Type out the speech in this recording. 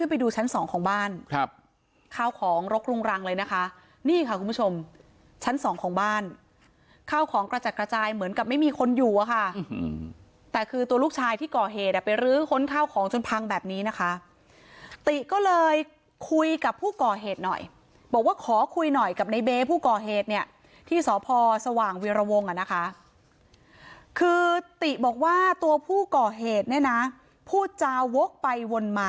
ไปดูชั้นสองของบ้านครับข้าวของรกรุงรังเลยนะคะนี่ค่ะคุณผู้ชมชั้นสองของบ้านข้าวของกระจัดกระจายเหมือนกับไม่มีคนอยู่อะค่ะแต่คือตัวลูกชายที่ก่อเหตุอ่ะไปรื้อค้นข้าวของจนพังแบบนี้นะคะติก็เลยคุยกับผู้ก่อเหตุหน่อยบอกว่าขอคุยหน่อยกับในเบ๊ผู้ก่อเหตุเนี่ยที่สพสว่างเวียรวงอ่ะนะคะคือติบอกว่าตัวผู้ก่อเหตุเนี่ยนะพูดจาวกไปวนมา